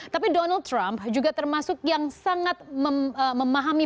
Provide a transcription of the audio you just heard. tapi donald trump juga termasuk yang sangat memahami